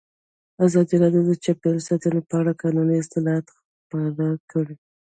ازادي راډیو د چاپیریال ساتنه په اړه د قانوني اصلاحاتو خبر ورکړی.